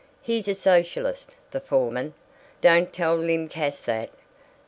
He's a socialist, the foreman. (Don't tell Lym Cass that!